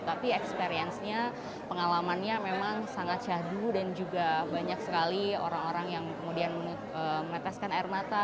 tapi experience nya pengalamannya memang sangat syahdu dan juga banyak sekali orang orang yang kemudian meneteskan air mata